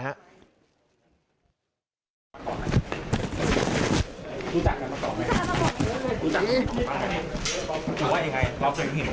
เราจะเห็นซึ่งน่าหรือว่า